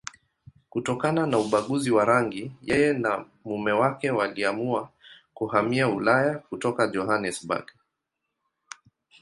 Kutokana na ubaguzi wa rangi, yeye na mume wake waliamua kuhamia Ulaya kutoka Johannesburg.